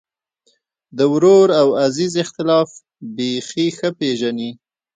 د ورور او عزیز اختلاف بېخي ښه پېژني.